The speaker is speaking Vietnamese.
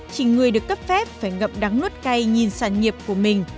chỉ người được cấp phép phải ngậm đắng nuốt cây nhìn sản nghiệp của mình